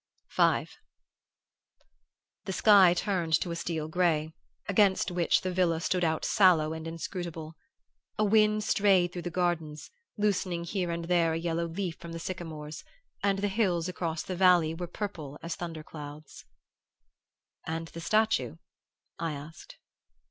V The sky had turned to a steel gray, against which the villa stood out sallow and inscrutable. A wind strayed through the gardens, loosening here and there a yellow leaf from the sycamores; and the hills across the valley were purple as thunder clouds. "And the statue ?" I asked.